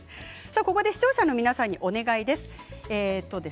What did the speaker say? ここで視聴者の皆さんにお願いです。